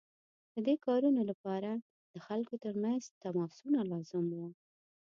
د دې کارونو لپاره د خلکو ترمنځ تماسونه لازم وو.